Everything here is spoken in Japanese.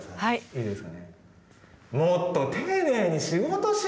いいですかね？